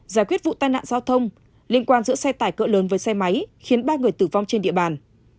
giải quyết vụ tai nạn giao thông liên quan giữa xe tải cỡ lớn với xe máy khiến ba người tử vong trên địa bàn